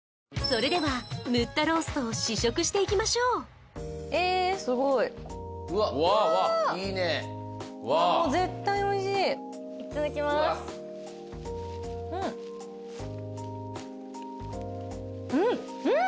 それではムッタローストを試食していきましょうえすごいわーわーいいねもう絶対おいしいうんうん！